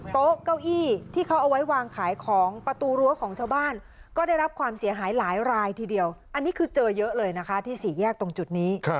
โต๊ะเก้าอี้ที่เขาเอาไว้วางขายของประตูรั้วของชาวบ้านก็ได้รับความเสียหายหลายรายทีเดียวอันนี้คือเจอเยอะเลยนะคะที่สี่แยกตรงจุดนี้